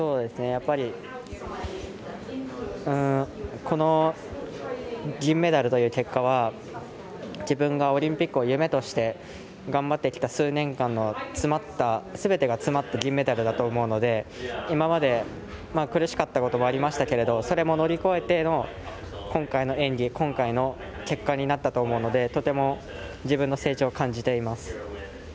やっぱりこの銀メダルという結果は自分がオリンピックを夢として頑張ってきた数年間のすべてが詰まった銀メダルだと思うので今まで苦しかったこともありましたけれどそれも乗り越えての今回の演技、今回の結果になったと思うのでとても自分の成長を感じています。